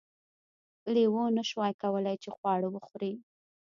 لیوه ونشوای کولی چې خواړه وخوري.